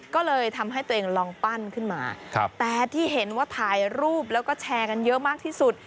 ก็เลยทำให้ตัวเองลองปั้นขึ้นมาแต่ที่เห็นว่าถ่ายรูปแล้วก็แชร์กันเยอะมากที่สุด